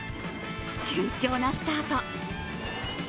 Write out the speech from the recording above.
順調なスタート。